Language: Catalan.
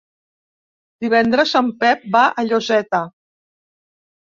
Divendres en Pep va a Lloseta.